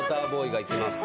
が行きます。